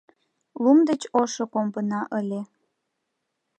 Лум деч ошо комбына ыле